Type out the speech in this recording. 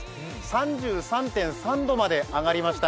３３．３度まで上がりました。